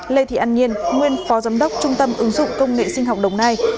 lê thị ăn nhiên nguyên phó giám đốc trung tâm ứng dụng công nghệ sinh học đồng nai